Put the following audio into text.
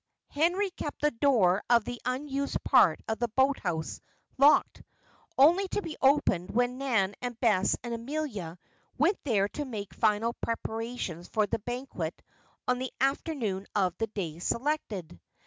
Henry kept the door of the unused part of the boathouse locked, only to be opened when Nan and Bess and Amelia went there to make final preparations for the banquet on the afternoon of the day selected.